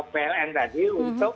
pln tadi untuk